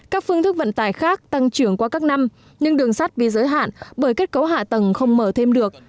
các phương thức vận tải khác tăng trưởng qua các năm nhưng đường sắt bị giới hạn bởi kết cấu hạ tầng không mở thêm được